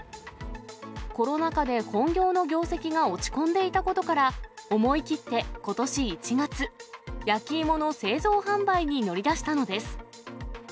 コロナ禍で本業の業績が落ち込んでいたことから、思い切ってことし１月、焼き芋の製造・販売に乗り出したのです。